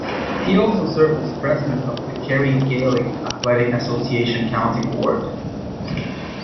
He also served as President of the Kerry Gaelic Athletic Association County Board.